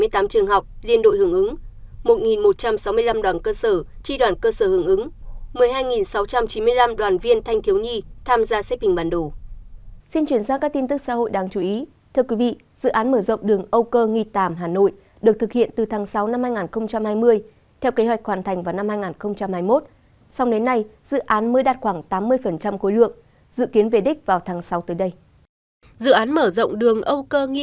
một sáu trăm bảy mươi tám trường học liên đội hưởng ứng một một trăm sáu mươi năm đoàn cơ sở tri đoàn cơ sở hưởng ứng